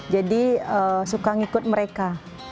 jadi suka ngikut mereka